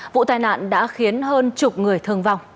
vụ tai nạn đã khiến hơn chục người thương vong